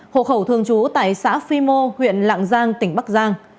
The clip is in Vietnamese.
hộ khẩu thường trú tại xã phi mô huyện lạng giang tỉnh bắc giang